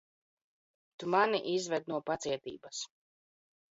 Tu mani izved no pacietības.